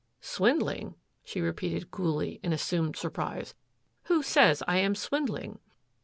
"Swindling?" she repeated coolly, in assumed surprise. "Who says I am swindling?"